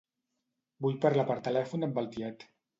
Vull parlar per telèfon amb el tiet.